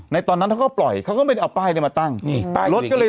ในตอนนั้นว่าปล่อยเค้าก็จะไปเอาป้ายในมาตั้งลดก็เลย